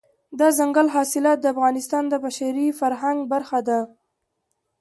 دځنګل حاصلات د افغانستان د بشري فرهنګ برخه ده.